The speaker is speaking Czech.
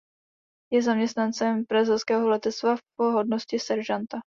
Je zaměstnancem brazilského letectva v hodnosti seržanta.